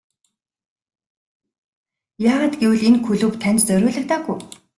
Яагаад гэвэл энэ клуб танд зориулагдаагүй.